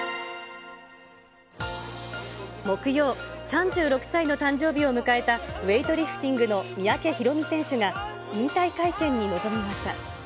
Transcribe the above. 木曜、３６歳の誕生日を迎えた、ウエイトリフティングの三宅宏実選手が引退会見に臨みました。